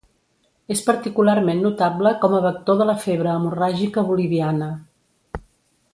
És particularment notable com a vector de la febre hemorràgica boliviana.